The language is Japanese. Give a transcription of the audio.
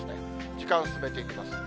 時間進めていきます。